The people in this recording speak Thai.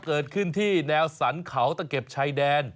เกิดขึ้นที่แนวสรรเขาตะเบ็บชายแดน